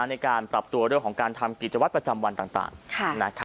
ในการปรับตัวเรื่องของการทำกิจวัตรประจำวันต่าง